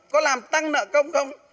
có làm tăng nợ công không